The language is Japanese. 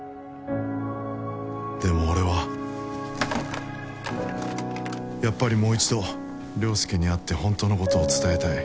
でも俺はやっぱりもう一度良介に会ってホントのことを伝えたい